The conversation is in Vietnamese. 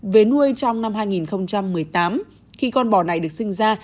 về nuôi trong năm hai nghìn một mươi tám khi con bò này được sinh ra